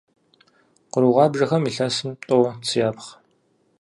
Къру гъуабжэхэм илъэсым тӀэу цы япхъ.